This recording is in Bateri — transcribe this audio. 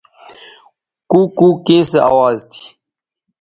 کُوکُو کیں سو اواز تھی؟